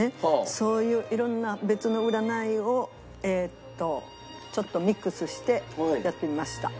そういう色んな別の占いをちょっとミックスしてやってみました。